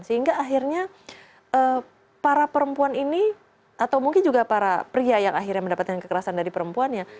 sehingga akhirnya para perempuan ini atau mungkin juga para pria yang akhirnya mendapatkan kekerasan dari perempuannya